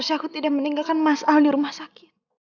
saya aku tidak meninggalkan mas al di rumah sakit